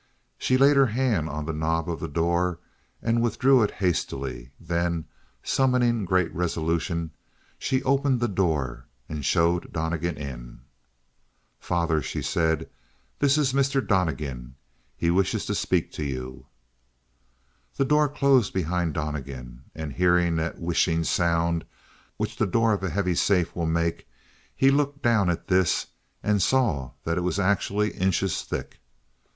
She laid her hand on the knob of the door and withdrew it hastily; then, summoning great resolution, she opened the door and showed Donnegan in. "Father," she said, "this is Mr. Donnegan. He wishes to speak to you." The door closed behind Donnegan, and hearing that whishing sound which the door of a heavy safe will make, he looked down at this, and saw that it was actually inches thick!